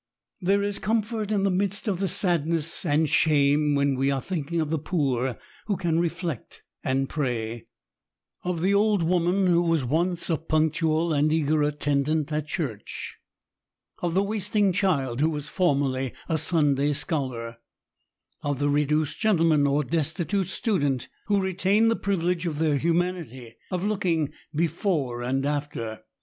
There is comfort in the midst of the sadness and shame when we are thinking of the poor who can reflect and pray, — of the old woman who was once a punctual and eager attendant at church,— of the wasting child who was formerly a Sunday scholar, — of the re duced gentleman or destitute student who retain the privilege of their humanity, — of " looking before and after."